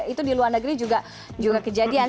itu di luar negeri juga kejadian